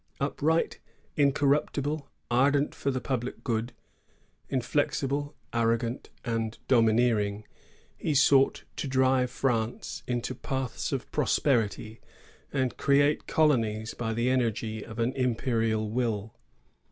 Upright, incorruptible, ardent for the public good, inflexible, arrogant, and domineer ing, he sought to drive France into paths of praq)er ity, and create colonies by the energy of an imperial ¥ will.